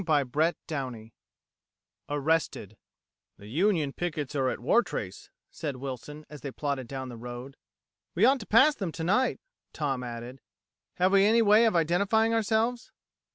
CHAPTER THREE ARRESTED "The Union pickets are at Wartrace," said Wilson, as they plodded down the road. "We ought to pass them tonight," Tom added. "Have we any way of identifying ourselves?"